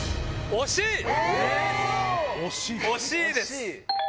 惜しいです。